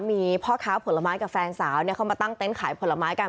มีพ่อค้าผลไม้กับแฟนสาวเข้ามาตั้งเต็นต์ขายผลไม้กัน